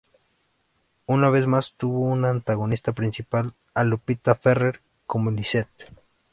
Una vez más, tuvo como antagonista principal a Lupita Ferrer como "Lisette".